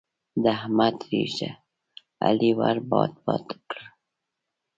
د احمد ږيره؛ علي ور باد باد کړه.